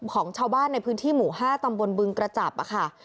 ของชาวบ้านในพื้นที่หมู่๕ตำบลบึงกระจับค่ะ